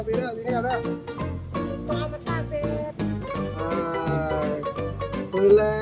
ดูจะเพิ่งกระเบิดหน่อย